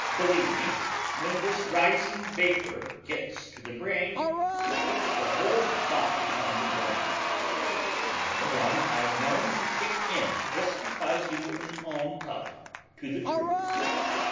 Believe me, when this rising vapor gets to the brain, it puts the whole body on the burn. Many a one I've known to kick in just because he wouldn't own up to the truth."